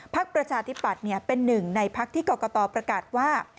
ประชาธิปัตย์เป็นหนึ่งในพักที่กรกตประกาศว่า